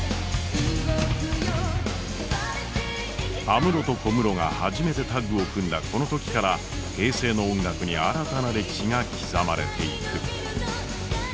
安室と小室が初めてタッグを組んだこの時から平成の音楽に新たな歴史が刻まれていく。